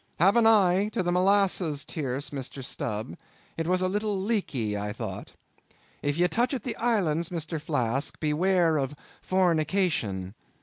Have an eye to the molasses tierce, Mr. Stubb; it was a little leaky, I thought. If ye touch at the islands, Mr. Flask, beware of fornication.